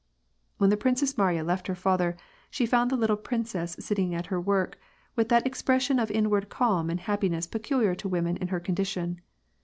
When the Princess Mariya left her father, she found the lit tle princess sitting at her work, with that expression of in ward calm and happiness peculiar to women in her condition.